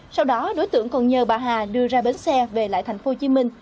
sau đó đối tượng còn nhờ bà hà đưa ra bến xe về lại tp hcm